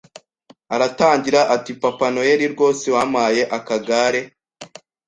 aratangira ati Papa Noheli rwose wampaye akagare